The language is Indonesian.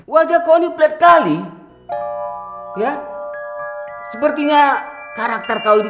wajah kau ini plat kali ya sepertinya karakter kau ini